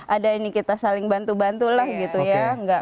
ada ini kita saling bantu bantu lah gitu ya